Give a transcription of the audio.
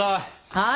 はい。